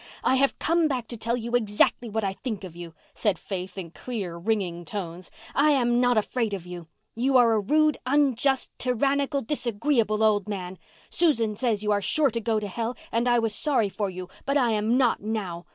"I have come back to tell you exactly what I think of you," said Faith in clear, ringing tones. "I am not afraid of you. You are a rude, unjust, tyrannical, disagreeable old man. Susan says you are sure to go to hell, and I was sorry for you, but I am not now.